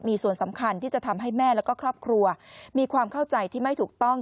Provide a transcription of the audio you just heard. มีส่วนสำคัญที่จะทำให้แม่แล้วก็ครอบครัวมีความเข้าใจที่ไม่ถูกต้อง